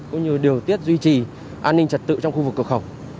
cũng như điều tiết duy trì an ninh trật tự trong khu vực cửa khẩu